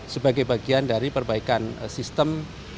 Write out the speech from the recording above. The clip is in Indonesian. sebagai bagian dari perbaikan sistem